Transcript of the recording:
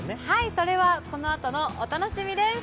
それはこのあとのお楽しみです。